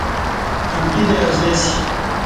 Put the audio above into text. امکی دی ازیاسی